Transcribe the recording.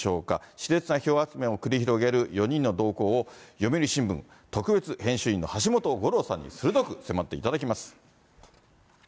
しれつな票集めを繰り広げる４人の動向を読売新聞特別編集員の橋本五郎さんに、鋭く迫っていただきます。